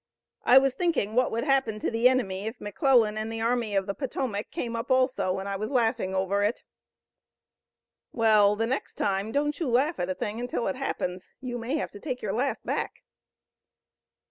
I was thinking what would happen to the enemy if McClellan and the Army of the Potomac came up also, and I was laughing over it." "Well, the next time, don't you laugh at a thing until it happens. You may have to take your laugh back."